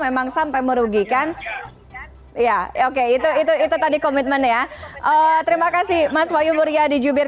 memang sampai merugikan ya oke itu itu itu tadi komitmen ya terima kasih mas wayu murya di jubir